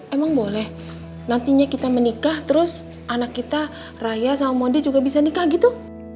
emang boleh nantinya kita menikah terus anak kita raya sama mondi juga bisa nikah gitu